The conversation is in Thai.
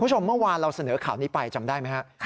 เมื่อวานเราเสนอข่าวนี้ไปจำได้ไหมครับ